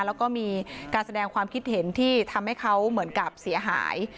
แล้วก็มีการแสดงความคิดเห็นที่ทำให้เขาเหมือนกับเสียหาย